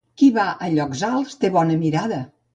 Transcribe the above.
Qui va a llocs alts, té bona mirada.